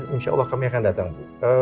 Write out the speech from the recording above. insya allah kami akan datang bu